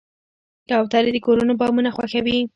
کوترې د کورونو بامونه خوښوي.